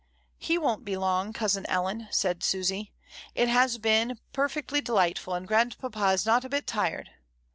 "He won't be long, cousin Ellen," said Susy. "It has all been perfectly delightful, and grandpapa is not a bit tired."